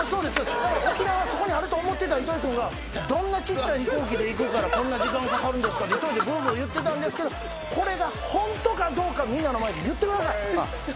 沖縄そこにあると思ってた糸井君がちっちゃい飛行機で行くからこんな時間かかるんですかって１人でぶうぶう言ってたんですけどこれがホントかどうかみんなの前で言ってください！